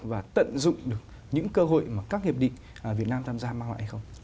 và tận dụng được những cơ hội mà các hiệp định việt nam tham gia mang lại hay không